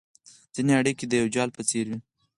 ځیني اړیکي د یو جال په څېر وي